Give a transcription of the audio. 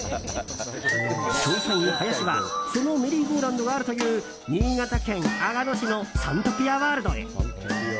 調査員ハヤシはそのメリーゴーラウンドがあるという新潟県阿賀野市のサントピアワールドへ。